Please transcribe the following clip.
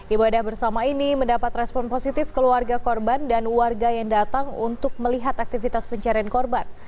ibadah bersama ini mendapat respon positif keluarga korban dan warga yang datang untuk melihat aktivitas pencarian korban